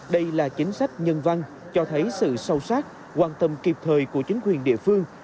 đây là chính sách nhân văn cho thấy sự sâu sát quan tâm kịp thời của chính quyền địa phương